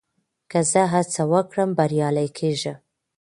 که زه هڅه وکړم، بريالی کېږم.